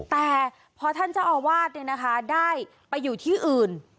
แต่พอท่านเจ้าอาวาสได้ไปอยู่ที่อื่น